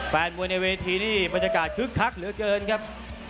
แฟนมวยในเวทีนี่บรรยากาศคึกคักเหลือเกินครับ